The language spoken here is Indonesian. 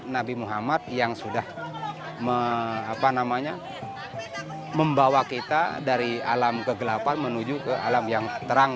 nabi muhammad yang sudah membawa kita dari alam kegelapan menuju ke alam yang terang